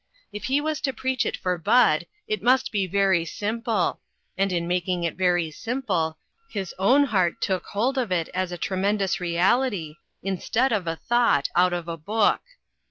If he was to preach it for Bud, it must be very simple ; and in making it very simple, his own heart took hold of it as a tremendous reality, instead of a thought out of a book.